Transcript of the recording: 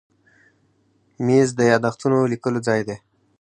مېز د یاداښتونو لیکلو ځای دی.